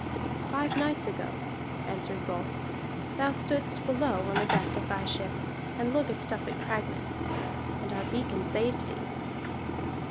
"Five nights ago," answered Rolf, "thou stoodst below on the deck of thy ship, and lookedst up at Cragness. And our beacon saved thee."